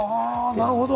あなるほど。